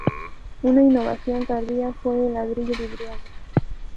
Una innovación tardía fue el ladrillo vidriado.